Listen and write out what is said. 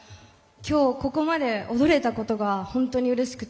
今日、ここまで踊れたことが本当にうれしくて。